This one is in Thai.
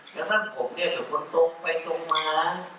และท่านผมเนี่ยถือคนตกไปตรงม้า